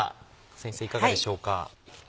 先生いかがでしょうか。